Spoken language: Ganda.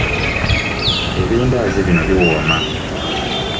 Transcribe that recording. Ebindaazi bino biwooma.